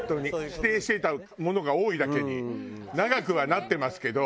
否定していたものが多いだけに長くはなってますけど。